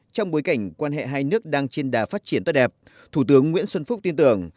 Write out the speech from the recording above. trong bối cảnh quan hệ hai nước đang trên đà phát triển tốt đẹp thủ tướng nguyễn xuân phúc tin tưởng